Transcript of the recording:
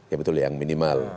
ya betul yang minimal